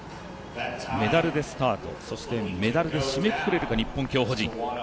メダルでスタートそしてメダルで締めくくれるか日本の競歩陣。